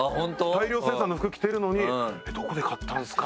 大量生産の服着てるのに「どこで買ったんですか？」